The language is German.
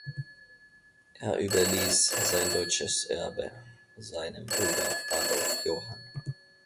Er überließ sein deutsches Erbe seinem Bruder Adolf Johann.